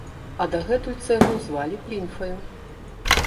А датуль цэглу звалі плінфаю.